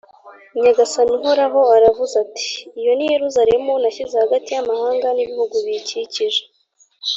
Nyagasani Uhoraho aravuze ati «Iyo ni Yeruzalemu nashyize hagati y’amahanga n’ibihugu biyikikije